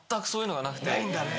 ないんだね。